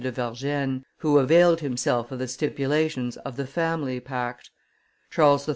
de Vergennes, who availed himself of the stipulations of the Family pact. Charles III.